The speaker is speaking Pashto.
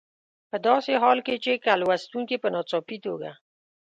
په داسې حال کې چې که لوستونکي په ناڅاپي توګه.